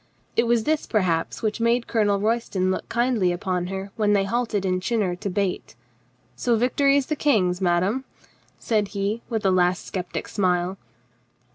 It was this, perhaps, which made Colonel Royston look kindly upon her when they halted in Chinnor to bait. "So victory is the King's, madame?" said he, with a last skeptic smile.